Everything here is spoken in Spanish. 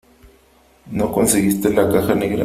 no conseguiste la caja negra .